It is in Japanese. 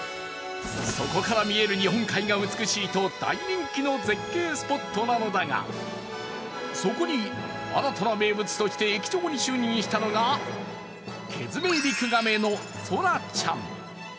そこから見える日本海が美しいと大人気の絶景スポットなのだがそこに新たな名物として駅長に就任したのがケヅメリクガメのそらちゃん。